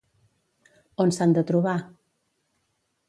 On s'han de trobar?